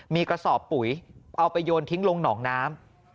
มีกระสอบปุ๋ยเอาไปโยนทิ้งลงหนองน้ำ